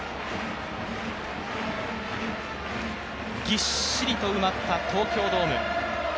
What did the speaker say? ぎっしりと埋まった東京ドーム。